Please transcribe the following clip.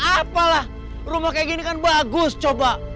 apalah rumah kayak gini kan bagus coba